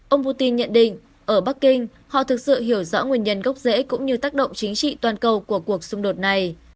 ông putin nhận định ở bắc kinh họ thực sự hiểu rõ nguyên nhân gốc rễ cũng như tác động chính trị toàn cầu của cuộc xung đột này